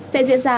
sẽ diễn ra